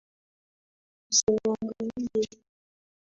Usiniangalie!